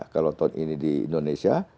kalau tahun ini di indonesia